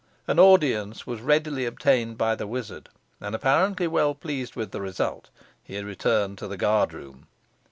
An audience was readily obtained by the wizard, and, apparently well pleased with the result, he returned to the guard room.